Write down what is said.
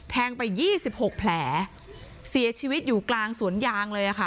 แทงไป๒๖แผลเสียชีวิตอยู่กลางสวนยางเลยอ่ะค่ะ